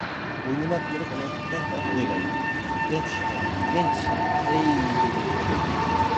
Boynuna atılarak onu öptükten sonra böyle haykırdı: "Genç şair, genç şair, ey benim sevgilim!"